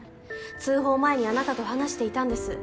通報前にあなたと話していたんです。